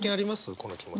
この気持ち。